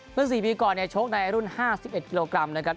เมื่อสี่ปีก่อนเนี่ยโชคในรุ่น๕๑กิโลกรัมนะครับ